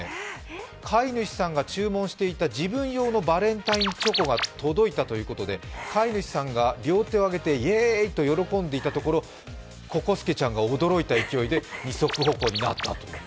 飼い主さんが注文していた自分用のバレンタインチョコが届いたということで飼い主さんが両手を挙げてイェーイと喜んでいたところ、ココすけちゃんが驚いた勢いで二足歩行になったと。